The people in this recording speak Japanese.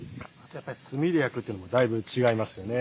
やっぱり炭で焼くっていうのはだいぶ違いますよね。